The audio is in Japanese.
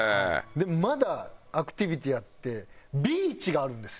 でまだアクティビティあってビーチがあるんですよ。